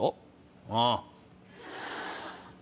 ああ。